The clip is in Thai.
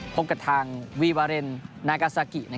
พบกับทางวีวาเรนนากาซากิ